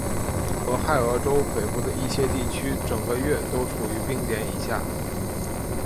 俄亥俄州北部的一些地区整个月都处于冰点以下。